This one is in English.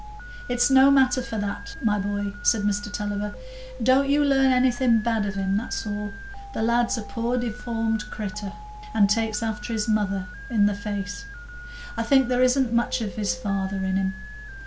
"It's no matter for that, my boy," said Mr Tulliver; "don't you learn anything bad of him, that's all. The lad's a poor deformed creatur, and takes after his mother in the face; I think there isn't much of his father in him.